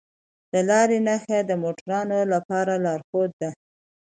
د لارې نښه د موټروانو لپاره لارښود ده.